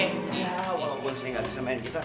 ya walaupun saya gak bisa main gitar